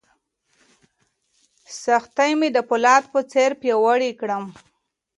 سختۍ مې د فولاد په څېر پیاوړی کړم.